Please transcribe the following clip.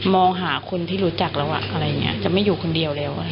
มองหาคนที่รู้จักแล้วอะไรอย่างนี้จะไม่อยู่คนเดียวแล้ว